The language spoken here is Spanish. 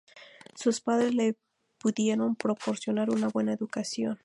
Sus padres le pudieron proporcionar una buena educación.